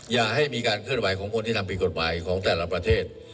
อย่าให้มีการเคลื่อนไหวของคนที่ทำผิดกฎหมายของแต่ละประเทศ